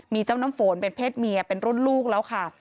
มีเจ้าน้ำฝนเป็นเพศเมียเป็นรุ่นลูกแล้วค่ะ